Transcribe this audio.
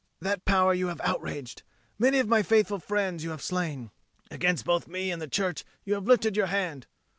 That power you have outraged; many of my faithful friends you have slain; against both me and the Church you have lifted your hand.